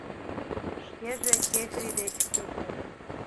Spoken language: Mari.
Шкеже Кӓхри деч кугу.